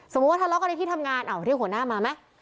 ว่าทะเลาะกันในที่ทำงานอ้าวที่หัวหน้ามาไหม